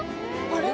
あれ？